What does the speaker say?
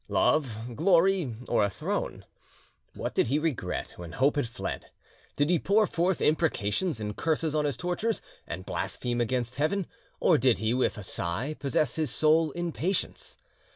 Love, glory, or a throne? What did he regret when hope had fled? Did he pour forth imprecations and curses on his tortures and blaspheme against high Heaven, or did he with a sigh possess his soul in patience?